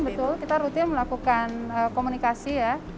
betul kita rutin melakukan komunikasi ya